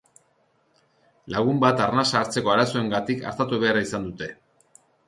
Lagun bat arnasa hartzeko arazoengatik artatu behar izan dute.